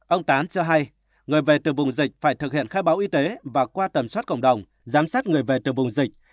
ông tán cho hay người về từ vùng dịch phải thực hiện khai báo y tế và qua tầm soát cộng đồng giám sát người về từ vùng dịch